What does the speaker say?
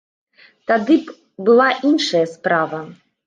Тады б была іншая справа.